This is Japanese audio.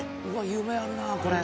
夢あるなこれ。